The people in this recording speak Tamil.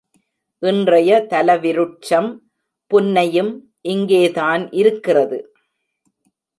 இன்றைய தலவிருட்சம் புன்னையும் இங்கே தான் இருக்கிறது.